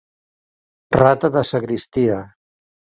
Rata de sagristia.